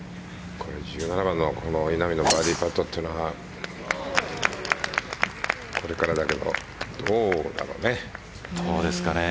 １７番の稲見のバーディーパットというのはこれからだけど、どうだろうね。